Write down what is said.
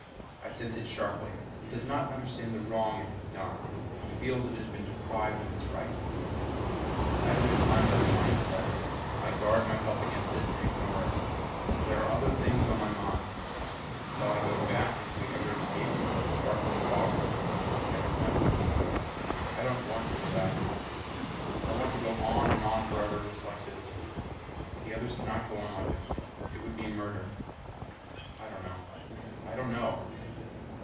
I sense it sharply. It does not understand the wrong it has done and feels it has been deprived of its right. I have no time for the mind stuff. I guard myself against it and ignore it. There are other things on my mind. Shall I go back if we ever escape from the sparkling fog? I don't know. I don't want to go back. I want to go on and on forever just like this. But the others cannot go on like this. It would be murder. I don't know. I don't know.